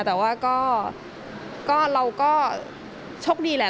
แต่ว่าก็เราก็โชคดีแหละ